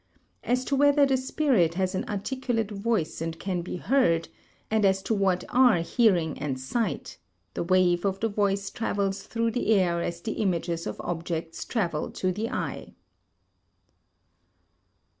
As to whether the spirit has an articulate voice and can be heard, and as to what are hearing and sight the wave of the voice travels through the air as the images of objects travel to the eye.